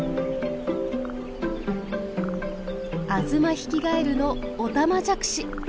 アズマヒキガエルのオタマジャクシ。